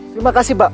terima kasih pak